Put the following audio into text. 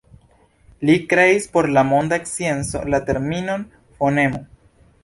Li kreis por la monda scienco la terminon fonemo.